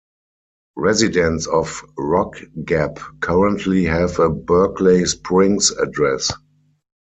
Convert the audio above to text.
Residents of Rock Gap currently have a Berkeley Springs address.